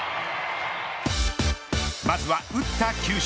まずは打った球種。